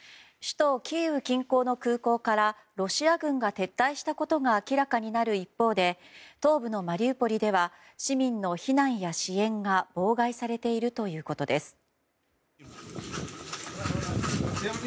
首都キーウ近郊の空港からロシア軍が撤退したことが明らかになる一方で東部のマリウポリでは市民の避難や支援が妨害されているということです。